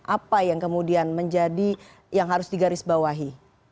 apa yang kemudian menjadi yang harus digarisbawahi